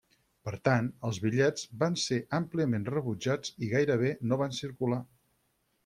Per tant, els bitllets van ser àmpliament rebutjats i gairebé no van circular.